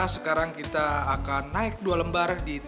sekarang kita akan naik dua lembar di tiga ratus tujuh puluh delapan